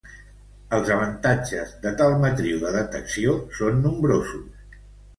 Els avantatges de tal matriu de detecció són nombrosos.